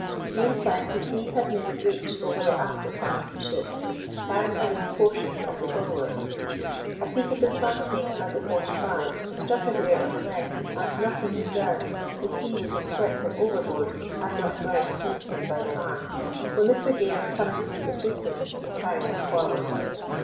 Meantime the sea had made a breach over the afterpart of the ship, carrying away portions of the bulwarks. A piece of the planking, as it washed by, struck Adair on the leg, and knocking him down, the sea would have swept him overboard had not Murray seized him by the arm, when Mr Gale coming to his assistance they carried him forward.